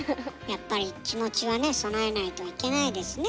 やっぱり気持ちはね備えないといけないですね。